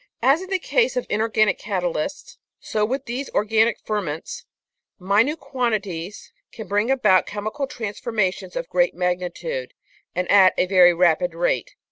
As in the case of inorganic catalysts, so with these organic ferments, minute quantities can bring about chemical transformations of great magnitude and at a very rapid rate.